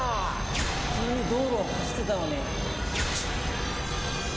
普通に道路を走っていたのに。